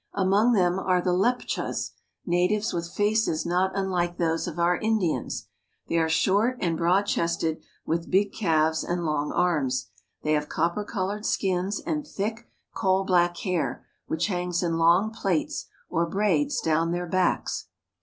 Among them are the Leptchas, natives with faces not un like those of our Indians. They are short and broad chested, with big calves and long arms. They have copper colored skins and thick, coal black hair, which hangs in long plaits or braids down their backs.